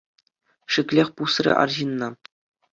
Шиклӗх пусрӗ арҫынна.